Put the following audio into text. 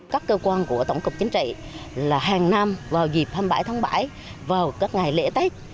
các cơ quan của tổng cục chính trị là hàng năm vào dịp hai mươi bảy tháng bảy vào các ngày lễ tết